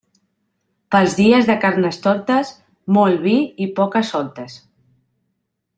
Pels dies de Carnestoltes, molt vi i poca-soltes.